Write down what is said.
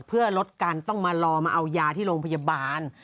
เพื่อลดการต้องมารอมาเอายาที่โรงพยาบาล